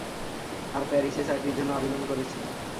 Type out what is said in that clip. আর প্যারিসে চাকরির জন্য আবেদন করেছি।